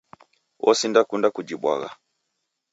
Osindakunda kujibwagha